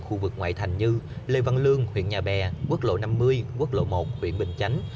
khu vực ngoại thành như lê văn lương huyện nhà bè quốc lộ năm mươi quốc lộ một huyện bình chánh